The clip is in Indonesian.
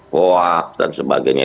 hoax dan sebagainya